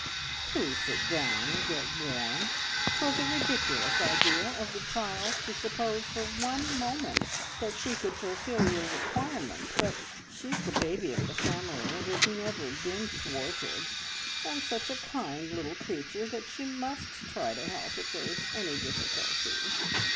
Please sit down, and get warm. 'Twas a ridiculous idea of the child's to suppose for one moment that she could fulfil your requirements; but she's the baby of the family, and has never been thwarted, and such a kind little creature that she must try to help if there is any difficulty.